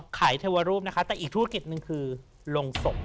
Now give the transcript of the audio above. เทวรูปนะคะแต่อีกธุรกิจหนึ่งคือลงศพ